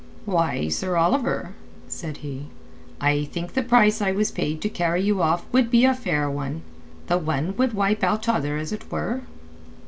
"Why, Sir Oliver," said he, "I think the price I was paid to carry you off would be a fair one. The one would wipe out t'other as it were."